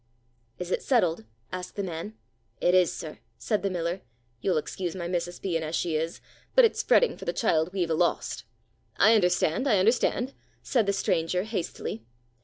"Is it settled?" asked the man. "It is, sir," said the miller. "You'll excuse my missus being as she is, but it's fretting for the child we've a lost"— "I understand, I understand," said the stranger, hastily.